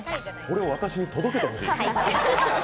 これを私に届けてほしい？